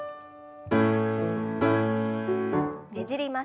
ねじります。